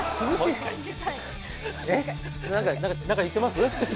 何か言ってます？